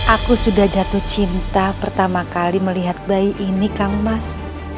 aku sudah jatuh cinta pertama kali melihat bayi ini kang mas